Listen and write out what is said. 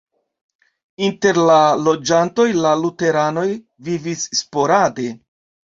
Inter la loĝantoj la luteranoj vivis sporade.